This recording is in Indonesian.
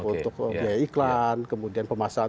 untuk biaya iklan kemudian pemasangan